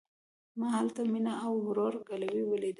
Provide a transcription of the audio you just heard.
ما هلته مينه او ورور ګلوي وليده.